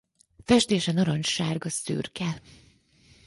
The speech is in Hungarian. Festése narancssárga-szürke.